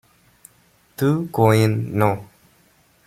Du Quoin No.